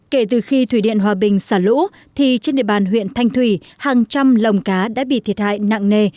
kể từ khi thủy điện hòa bình xả lũ thì trên địa bàn huyện thanh thủy hàng trăm lồng cá đã bị thiệt hại nặng nề